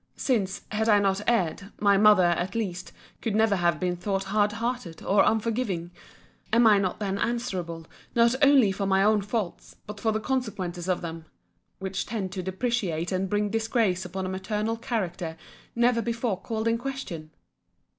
since, had I not erred, my mother, at least, could never have been thought hard hearted and unforgiving. Am I not then answerable, not only for my own faults, but for the consequences of them; which tend to depreciate and bring disgrace upon a maternal character never before called in question?